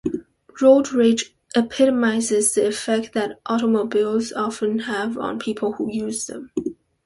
Road rage epitomizes the effect that automobiles often have on people who use them.